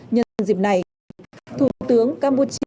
nhân dịp này thủ tướng campuchia